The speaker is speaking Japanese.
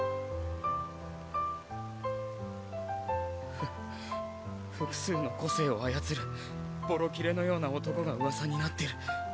ふ複数の個性を操るボロ切れのような男が噂になってる。